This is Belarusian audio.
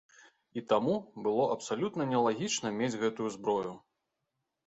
І таму, было абсалютна нелагічна мець гэтую зброю.